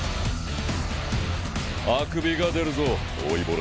⁉あくびが出るぞ老いぼれ。